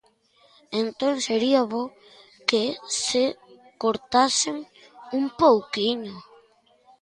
Entón sería bo que se cortasen un pouquiño.